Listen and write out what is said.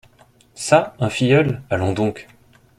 Ca un filleul ? allons donc !…